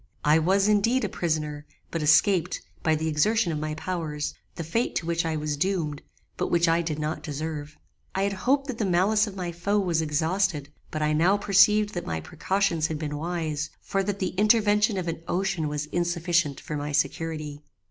I was, indeed, a prisoner, but escaped, by the exertion of my powers, the fate to which I was doomed, but which I did not deserve. I had hoped that the malice of my foe was exhausted; but I now perceived that my precautions had been wise, for that the intervention of an ocean was insufficient for my security.